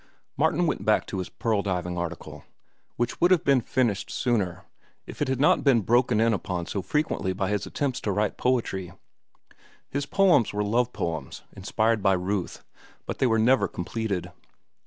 Martin went back to his pearl diving article, which would have been finished sooner if it had not been broken in upon so frequently by his attempts to write poetry. His poems were love poems, inspired by Ruth, but they were never completed.